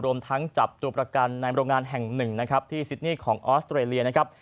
รวมทั้งจับตัวประกันในโรงงานแห่งหนึ่งนะครับที่ซิดนี่ของออสเตรเลียนะครับ